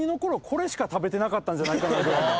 これしか食べてなかったんじゃないかなぐらいの。